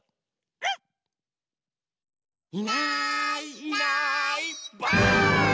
「いないいないばあっ！」